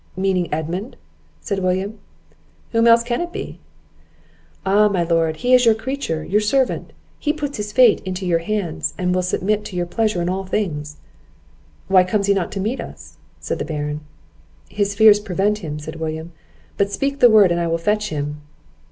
"Meaning Edmund?" said William. "Whom else can it be?" "Ah, my Lord! he is your creature, your servant; he puts his fate into your hands, and will submit to your pleasure in all things!" "Why comes he not to meet us?" said the Baron. "His fears prevent him," said William; "but speak the word, and I will fetch him."